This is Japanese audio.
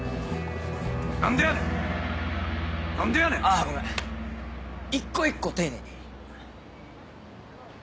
あぁごめん一個一個丁寧に。